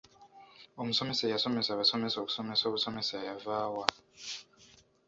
Omusomesa eyasomesa abasomesa okusomesa obusomesa yavaawa?